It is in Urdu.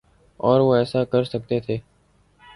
اور وہ ایسا کر سکتے تھے۔